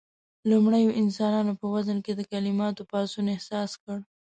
لومړيو انسانانو په وزن کې د کليماتو پاڅون احساس کړ.